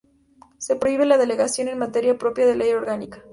Se prohíbe la delegación en materia propia de ley orgánica.